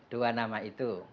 dua nama itu